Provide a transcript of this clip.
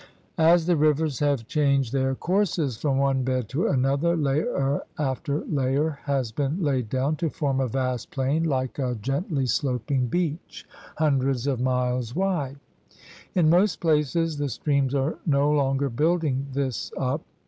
As the rivers have changed their courses from one bed to another, layer after layer has been laid down to form a vast plain like a GEOGRAPHIC PROVINCES 75 gently sloping beach hundreds of miles wide. In most places the streams are no longer building this up.